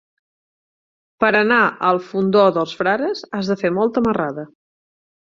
Per anar al Fondó dels Frares has de fer molta marrada.